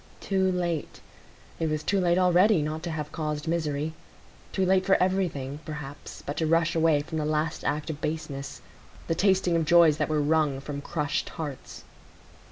Too late! it was too late already not to have caused misery; too late for everything, perhaps, but to rush away from the last act of baseness,—the tasting of joys that were wrung from crushed hearts.